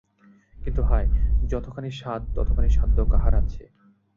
কিন্তু হায়, যতখানি সাধ ততখানি সাধ্য কাহার আছে।